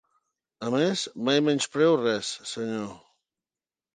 A més, mai menyspreo res, senyor.